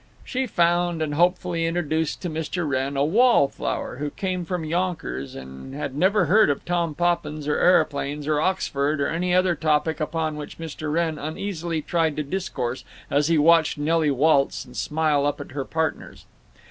She found and hopefully introduced to Mr. Wrenn a wallflower who came from Yonkers and had never heard of Tom Poppins or aeroplanes or Oxford or any other topic upon which Mr. Wrenn uneasily tried to discourse as he watched Nelly waltz and smile up at her partners.